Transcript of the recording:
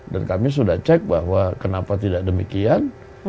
dan kami sudah cek bahwa kenapa tidak demikian